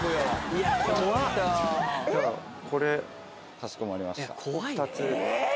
かしこまりました。